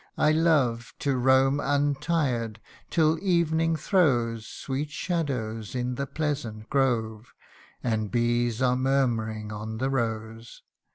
I love To roam untired, till evening throws CANTO IIL Sweet shadows in the pleasant grove ; And bees are murmuring on the rose.